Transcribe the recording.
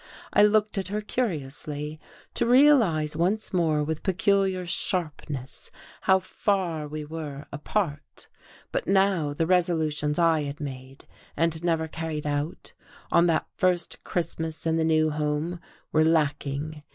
I looked at her curiously, to realize once more with peculiar sharpness how far we were apart; but now the resolutions I had made and never carried out on that first Christmas in the new home were lacking.